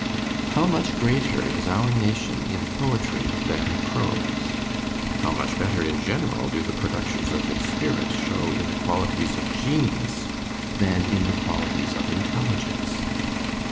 How much greater is our nation in poetry than prose! how much better, in general, do the productions of its spirit show in the qualities of genius than in the qualities of intelligence!